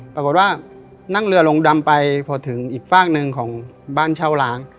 ปรากฏว่านั่งเรือลงดำไปพอถึงอีกฝากหนึ่งของบ้านเช่าล้าง